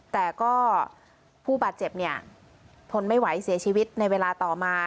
แต่ก็ผู้บาดเจ็บเนี่ยทนไม่ไหวเสียชีวิตในเวลาต่อมา